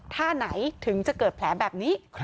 ท่าไหนถึงจะเกิดแผลแบบนี้